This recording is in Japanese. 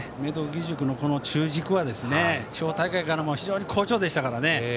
義塾の中軸は地方大会からも非常に好調でしたからね。